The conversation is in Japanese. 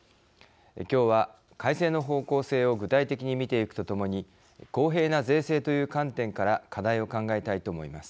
今日は改正の方向性を具体的に見ていくとともに公平な税制という観点から課題を考えたいと思います。